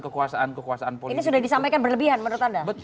kekuasaan kekuasaan politik sudah disampaikan berlebihan menurut anda